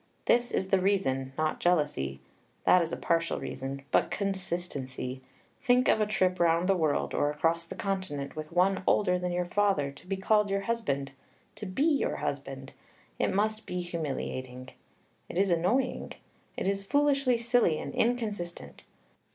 This is the reason, not jealousy, that is a partial reason, but consistency. Think of a trip round the world or across the continent with one older than your father, to be called your husband, to be your husband! It must be humiliating. It is annoying. It is foolishly silly and inconsistent.